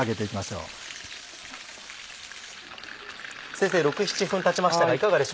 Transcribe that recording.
先生６７分たちましたがいかがでしょうか？